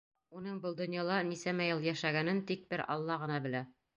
Уның был донъяла нисәмә йыл йәшәгәнен тик бер Алла ғына белә.